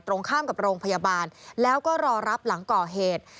ตรงข้ามกับโรงพยาบาลแล้วก็รอรับหลังก่อเหตุ